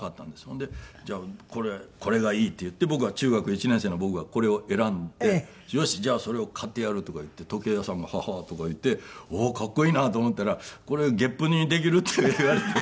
ほんで「じゃあこれがいい」って言って僕が中学１年生の僕がこれを選んで「よし。じゃあそれを買ってやる」とか言って時計屋さんが「ははあ」とか言っておおーかっこいいなと思ったら「これ月賦にできる？」って言われて。